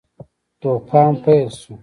توپان پیل شو.